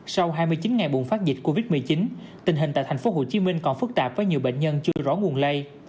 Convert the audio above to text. sau hai mươi chín ngày bùng phát dịch covid một mươi chín tình hình tại thành phố hồ chí minh còn phức tạp với nhiều bệnh nhân chưa rõ nguồn lây